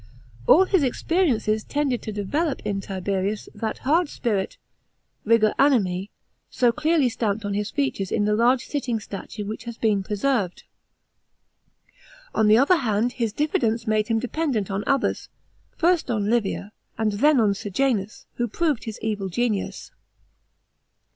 All his experiences tended to d'jvelope in Tiberius that hard spirit (rigor animi}, so clearly stamped on his natures in the large sitting statue which has b< en pres rved. On the other hand his diffidence made him dependent on others, first on Livia, and then on ISejanus, who proved his evil genius.